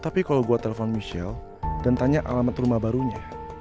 tapi kalau gue telepon michelle dan tanya alamat rumah barunya